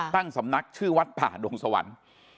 ตั้งสำนักชื่อวัดผ่าดวงสวรรค์